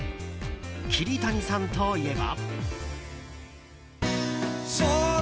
桐谷さんといえば。